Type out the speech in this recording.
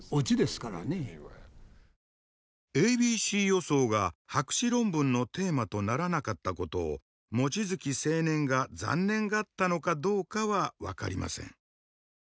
ａｂｃ予想が博士論文のテーマとならなかったことを望月青年が残念がったのかどうかは分かりません。